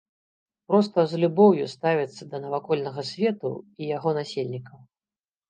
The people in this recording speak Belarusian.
Проста з любоўю ставіцца да навакольнага свету і яго насельнікаў.